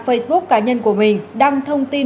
facebook cá nhân của mình đăng thông tin